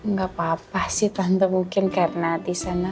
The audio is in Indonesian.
gak apa apa sih tante mungkin karena disana